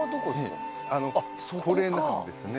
これなんですね。